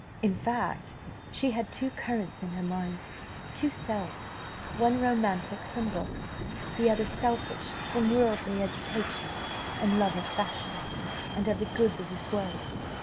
In fact she had two currents in her mind, two selves, one romantic from books, the other selfish from worldly education and love of fashion, and of the goods of this world.